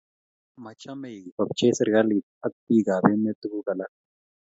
machei kobchei serikalit ak bikab emet tuguk alak